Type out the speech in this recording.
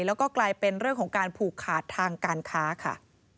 แล้วก็กลายเป็นเรื่องของการผูกขาดทางการค้าค่ะ